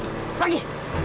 oke aku pergi